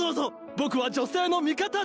僕は女性の味方です！